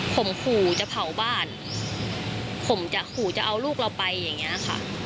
ผมขอจะเผาบ้านผมขอจะเอาลูกเราไปอย่างนี้นะคะ